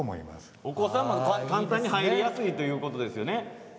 お子さんも簡単に入りやすいということですね。